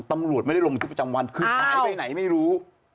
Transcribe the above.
ตำรวจไม่ได้ลงทึกประจำวันคือหายไปไหนไม่รู้